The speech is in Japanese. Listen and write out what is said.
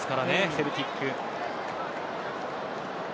セルティック。